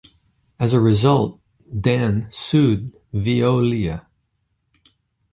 As a result, Dan sued Veolia.